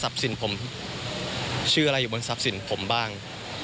สินผมชื่ออะไรอยู่บนทรัพย์สินผมบ้าง